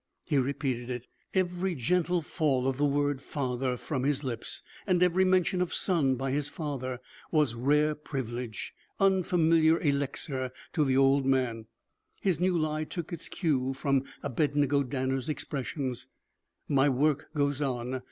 He repeated it. Every gentle fall of the word "father" from his lips and every mention of "son" by his father was rare privilege, unfamiliar elixir to the old man. His new lie took its cue from Abednego Danner's expressions. "My work goes on.